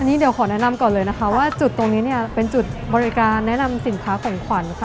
อันนี้เดี๋ยวขอแนะนำก่อนเลยนะคะว่าจุดตรงนี้เนี่ยเป็นจุดบริการแนะนำสินค้าของขวัญค่ะ